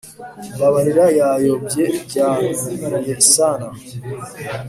mbabarira yayobye byantunguye sana